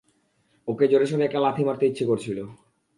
ওকে জোরেশোরে একটা লাথি মারতে ইচ্ছে করছিল।